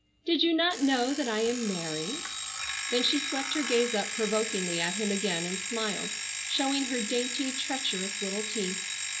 Did you not know that I am married?" Then she swept her gaze up provokingly at him again and smiled, showing her dainty, treacherous, little teeth.